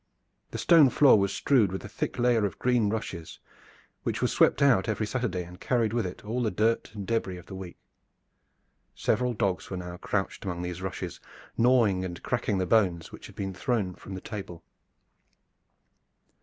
The stone floor was strewed with a thick layer of green rushes, which was swept out every Saturday and carried with it all the dirt and debris of the week. Several dogs were now crouched among these rushes, gnawing and cracking the bones which had been thrown from the table.